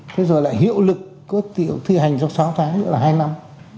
thế rồi lại hiệu lực thi hành trong sáu tháng nữa là hai năm